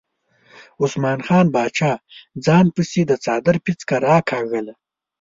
عثمان جان باچا ځان پسې د څادر پیڅکه راکاږله.